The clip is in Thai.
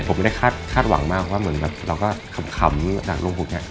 ผมไม่ได้คาดหวังมากว่าเหมือนแบบเราก็ขำจากลงพวกนี้